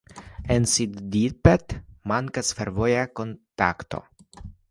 En Siddipet mankas fervoja kontakto.